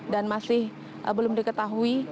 dan masih belum diketahui